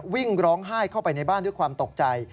วิ่งร้องไห้เข้าไปในบ้านด้วยความตกใจ